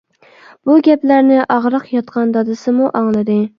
بۇ گەپلەرنى ئاغرىق ياتقان دادىسىمۇ ئاڭلىدى.